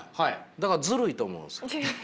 だからずるいと思うんです。